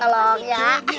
rumah malkis coklat